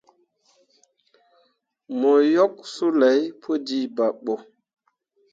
Mo yok sulay pu jiiba ɓo.